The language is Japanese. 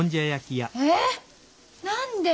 ええ！？何で？